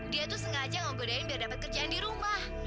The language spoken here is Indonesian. dia tuh sengaja ngegodain biar dapat kerjaan di rumah